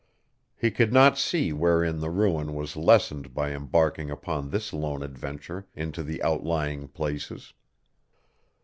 He could not see wherein the ruin was lessened by embarking upon this lone adventure into the outlying places.